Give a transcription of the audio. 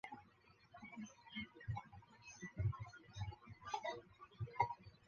建于明永乐年间。